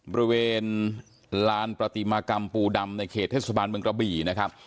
บริเวณลานประติมากรรมปูดำในเขตเทศบาลเมืองกระบี่นะครับ